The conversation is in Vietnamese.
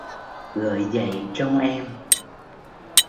Gợi dậy trong em